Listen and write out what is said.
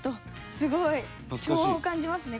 すごい。昭和を感じますね。